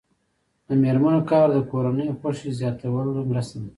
د میرمنو کار د کورنۍ خوښۍ زیاتولو مرسته ده.